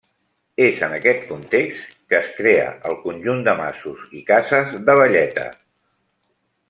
És en aquest context que es crea el conjunt de masos i cases de Valleta.